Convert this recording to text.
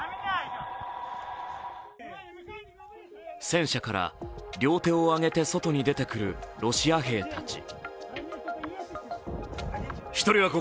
戦車から両手をあげて外に出てくるロシア兵たち。